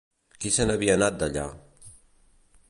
Qui se n'havia anat d'allà?